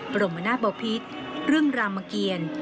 ประลงมนาปเบาะพิษเรื่องรามเกียรติ